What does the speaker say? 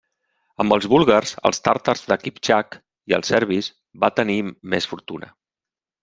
Amb els búlgars, els tàtars de Kiptxak i els serbis va tenir més fortuna.